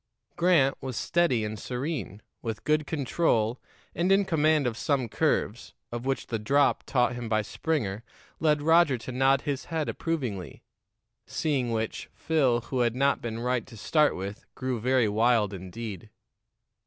Grant was steady and serene, with good control and in command of some curves, of which the drop taught him by Springer led Roger to nod his head approvingly; seeing which, Phil, who had not been right to start with, grew very wild indeed.